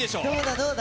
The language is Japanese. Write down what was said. どうだ？